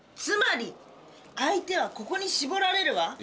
つまり相手はここに絞られるわ！